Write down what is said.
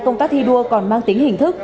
công tác thi đua còn mang tính hình thức